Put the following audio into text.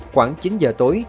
khoảng chín giờ tối